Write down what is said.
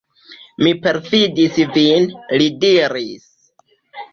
Mi perﬁdis vin, li diris.